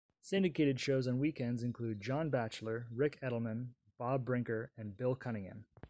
Syndicated shows on weekends include John Batchelor, Ric Edelman, Bob Brinker and Bill Cunningham.